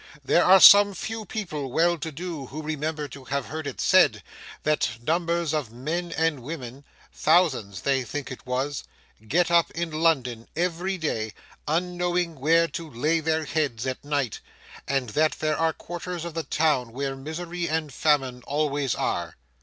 There are some few people well to do, who remember to have heard it said, that numbers of men and women—thousands, they think it was—get up in London every day, unknowing where to lay their heads at night; and that there are quarters of the town where misery and famine always are.